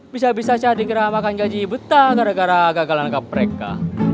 bisa bisa saya dikeramakan gaji buta gara gara gagalan kepreknya